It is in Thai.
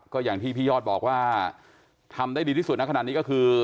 ก็อย่างที่พี่ยอดบอกว่าทำได้ดีที่สุดนะขนาดนี้ก็คือ